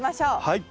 はい。